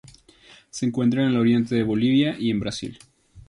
Se encuentra en el oriente de Bolivia y en Brasil.